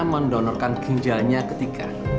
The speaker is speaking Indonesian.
mendonorkan ginjalnya ke tika